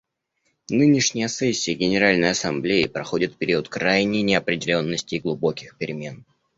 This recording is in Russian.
Нынешняя сессия Генеральной Ассамблеи проходит в период крайней неопределенности и глубоких перемен.